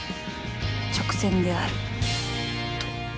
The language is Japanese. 直線であると